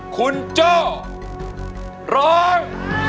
คุณโจ้ร้อง